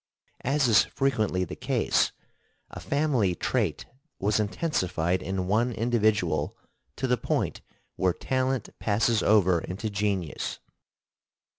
As is frequently the case, a family trait was intensified in one individual to the point where talent passes over into genius.